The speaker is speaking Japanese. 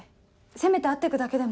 せめて会ってくだけでも。